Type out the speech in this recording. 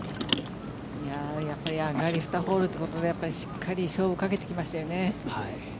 やっぱり上がり２ホールということでしっかり勝負をかけてきましたよね。